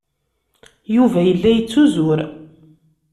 Yuba yella yettuzur.